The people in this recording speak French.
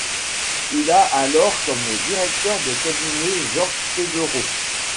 Il a alors comme directeur de cabinet Georges Pébereau.